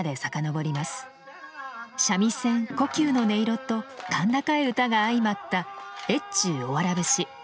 三味線胡弓の音色と甲高い唄が相まった「越中おわら節」。